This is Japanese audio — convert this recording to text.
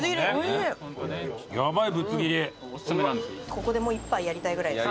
ここで一杯やりたいぐらいです。